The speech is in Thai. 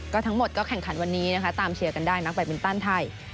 ทั้งหมดก็แข่งขันวันนี้นะคะตามเชียร์กันได้นักแบตมินตันไทย